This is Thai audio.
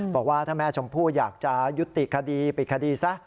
บอกว่าถ้าแม่ชมพู่อยากจะยุติคดีปิดคดีซะ